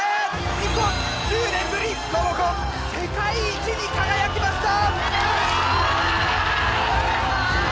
日本１０年ぶりロボコン世界一に輝きました！